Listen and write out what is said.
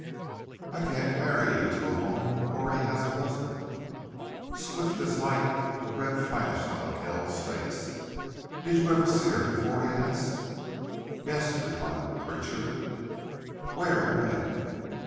"I can't marry you to a woman who already has a husband." Swift as light the red flashed out of Kells's face. "Did you ever see her before?" he asked. "Yes," replied the preacher. "Where and when?"